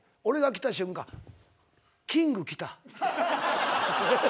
俺が来た瞬間「キング来た」